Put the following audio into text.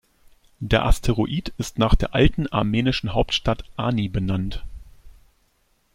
Der Asteroid ist nach der alten armenischen Hauptstadt Ani benannt.